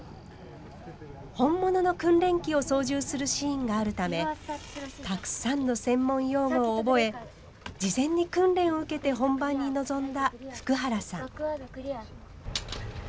本物の訓練機を操縦するシーンがあるためたくさんの専門用語を覚え事前に訓練を受けて本番に臨んだ福原さん。